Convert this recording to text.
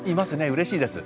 うれしいです。